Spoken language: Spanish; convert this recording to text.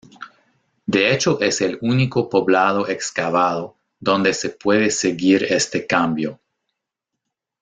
De hecho es el único poblado excavado donde se puede seguir este cambio.